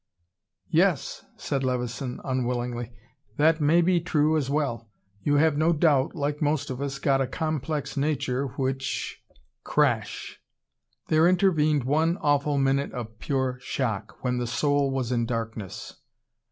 "Yes," said Levison unwillingly. "That may be true as well. You have no doubt, like most of us, got a complex nature which " C R A S H! There intervened one awful minute of pure shock, when the soul was in darkness.